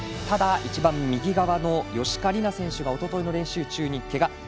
ただ、一番右側の芳家里菜選手がおとといの練習中にけが。